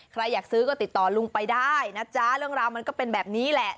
อยากซื้อก็ติดต่อลุงไปได้นะจ๊ะเรื่องราวมันก็เป็นแบบนี้แหละ